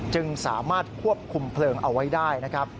จึงสามารถควบคุมเพลิงเอาไว้ได้นะครับ